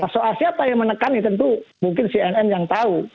soal siapa yang menekan tentu mungkin cnn yang tahu